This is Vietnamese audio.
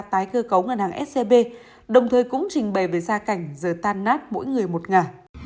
tái cơ cấu ngân hàng scb đồng thời cũng trình bày về gia cảnh giờ tan nát mỗi người một ngà